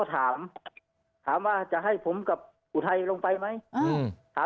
ตำรวจบ้านค่ายโอ้ยไม่ต้องมาครับ